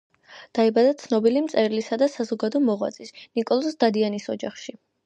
დაიბადა ცნობილი მწერლისა და საზოგადო მოღვაწის ნიკოლოზ დადიანის ოჯახში.